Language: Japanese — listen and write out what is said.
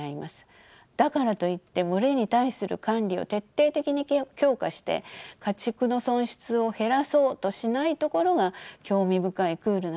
だからといって群れに対する管理を徹底的に強化して家畜の損失を減らそうとしないところが興味深いクールな点です。